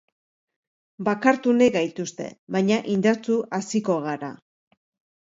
Bakartu nahi gaituzte, baina indartsu haziko gara.